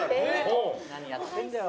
何やってんだよ。